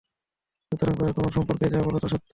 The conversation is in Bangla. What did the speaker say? সুতরাং তারা তোমার সম্পর্কে যা বলে তা সত্য।